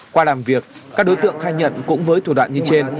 qua làm việc các đối tượng khai nhận cũng với thủ đoạn như trên